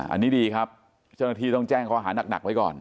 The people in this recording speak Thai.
อันนี้ดีครับเจ้าหน้าที่ต้องแจ้งข้อหานักไว้ก่อน